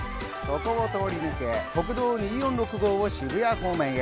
ここを通り抜け、国道２４６号を渋谷方面へ。